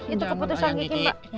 itu keputusan kiki mbak